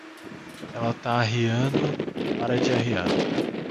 Ela tá arriando, para de arriar!